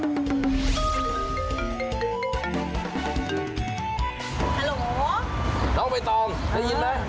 น้องใบตองได้ยินไหม